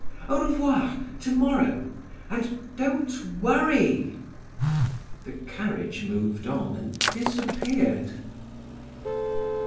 Au revoir, tomorrow! And don't worry!" The carriage moved on, and disappeared.